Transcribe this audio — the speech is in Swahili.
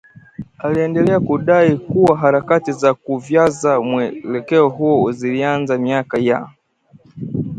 Aliendelea kudai kuwa harakati za kuuvyaza mwelekeo huo zilianza miaka ya